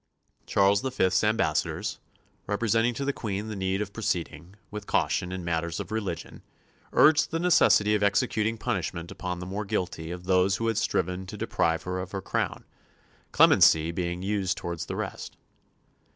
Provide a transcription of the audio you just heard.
Charles V.'s ambassadors, representing to the Queen the need of proceeding with caution in matters of religion, urged the necessity of executing punishment upon the more guilty of those who had striven to deprive her of her crown, clemency being used towards the rest.